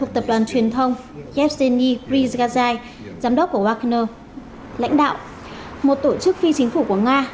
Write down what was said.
tập đoàn truyền thông yevgeny prizhgazai giám đốc của wagner lãnh đạo một tổ chức phi chính phủ của nga